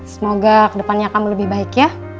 semoga kedepannya akan lebih baik ya